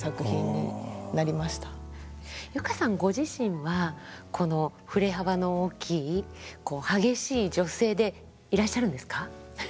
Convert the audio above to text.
佑歌さんご自身はこの振れ幅の大きい激しい女性でいらっしゃるんですか？